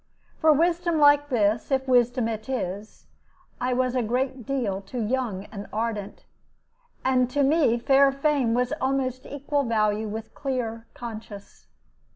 For wisdom like this, if wisdom it is, I was a great deal too young and ardent; and to me fair fame was of almost equal value with clear conscience.